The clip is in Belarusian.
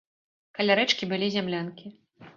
Каля рэчкі былі зямлянкі.